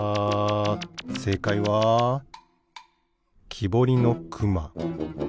せいかいはきぼりのくま。